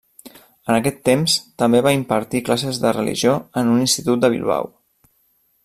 En aquest temps també va impartir classes de religió en un institut de Bilbao.